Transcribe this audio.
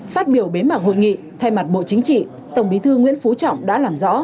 phát biểu bế mạc hội nghị thay mặt bộ chính trị tổng bí thư nguyễn phú trọng đã làm rõ